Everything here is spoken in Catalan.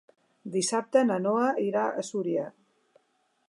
Dissabte na Noa irà a Súria.